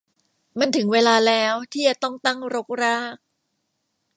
มันถึงเวลาแล้วที่จะต้องตั้งรกราก